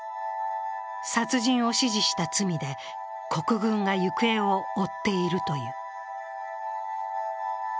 殺人を指示した罪で国軍が行方を追っているという。